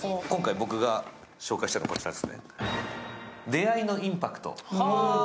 今回僕が紹介したいのはこちら、出会いのインパクト。